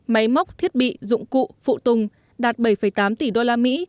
máy móc thiết bị dụng cụ phụ tùng đạt bảy tám tỷ usd